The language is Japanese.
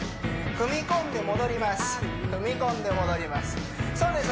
踏み込んで戻りますそうです